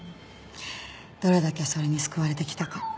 どれだけそれに救われてきたか。